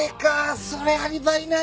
それアリバイないな。